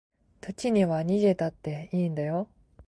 時には逃げたっていいんだよ